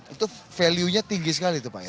itu value nya tinggi sekali itu pak ya